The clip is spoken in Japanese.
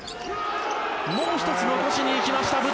もう１つ残しに行きました武藤。